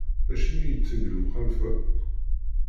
Acimi i iteg lemxalfa?